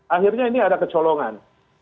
akhirnya ini ada kecolongan